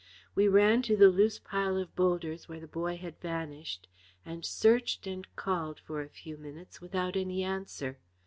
We ran to the loose pile of boulders where the boy had vanished, and searched and called for a few minutes without any answer.